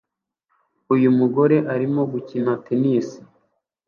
Uyu mugore arimo gukina tennis